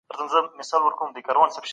دغه ونه په اوړي کي ډېره سړه وي.